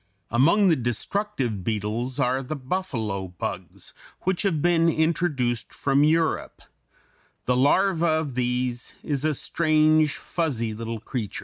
Among the destructive beetles are the buffalo bugs (Fig. 205), which have been introduced from Europe; the larva of these is a strange, fuzzy little creature (a).